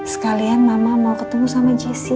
sekalian mama mau ketemu sama jesse